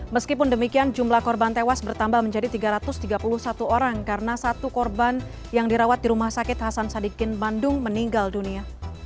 meskipun demikian jumlah korban tewas bertambah menjadi tiga ratus tiga puluh satu orang karena satu korban yang dirawat di rumah sakit hasan sadikin bandung meninggal dunia